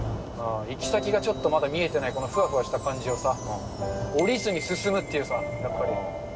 行き先がちょっとまだ見えてない、このふわふわした感じをさ、降りずに進むっていうさ。